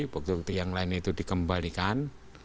bukti bukti yang lain itu dikembalikan